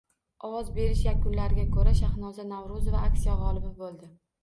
Ovoz berish yakunlariga koʻra, Shahnoza Navroʻzova aksiya gʻolibi boʻldi!